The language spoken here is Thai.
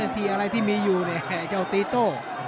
ที่อะไรที่มีอยู่เนี่ยเจ้าตีโต้